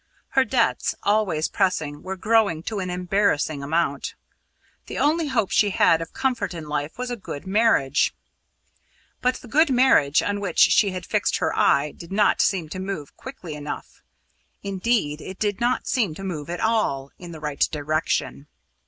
Her debts, always pressing, were growing to an embarrassing amount. The only hope she had of comfort in life was a good marriage; but the good marriage on which she had fixed her eye did not seem to move quickly enough indeed, it did not seem to move at all in the right direction.